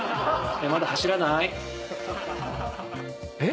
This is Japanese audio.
「まだ走らない」えっ？